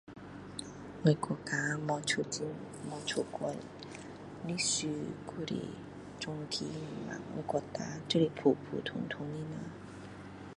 我国家没出很没出过历史还是全期就是只有普普通通的人